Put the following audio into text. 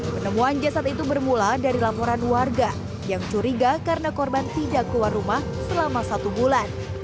penemuan jasad itu bermula dari laporan warga yang curiga karena korban tidak keluar rumah selama satu bulan